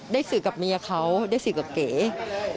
ได้หาอีกใคร